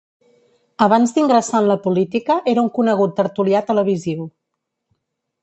Abans d'ingressar en la política era un conegut tertulià televisiu.